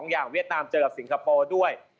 อย่างเวียดนามเจอกับสิงคโปร์ด้วย